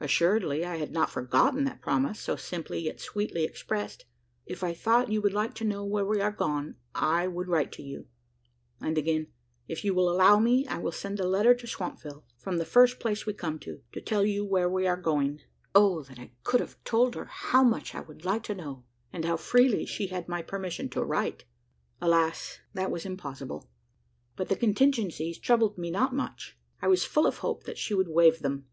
Assuredly, I had not forgotten that promise, so simply yet sweetly expressed: "If I thought you would like to know where we are gone, I would write to you;" and again: "If you will allow me, I will send a letter to Swampville, from the first place we come to, to tell you where we are going." Oh! that I could have told her how much I "would like to know," and how freely she had my permission to write! Alas! that was impossible. But the contingencies troubled me not much; I was full of hope that she would waive them.